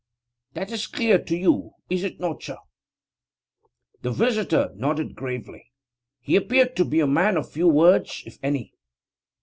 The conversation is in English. That is clear to you, is it not, sir?' The visitor nodded gravely. He appeared to be a man of few words, if any.